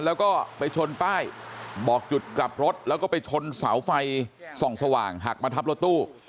แล้วก็ไปชนป้ายบอกจุดกลับรถแล้วก็ไปชนเสาไฟส่องสว่างหักมาทับรถตู้